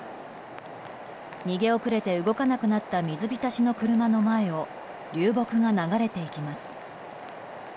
逃げ遅れて動かなくなった水浸しの車の前を流木が流れていきます。